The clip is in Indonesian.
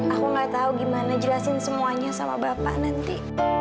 aku gak tau gimana jelasin semuanya sama bapak nanti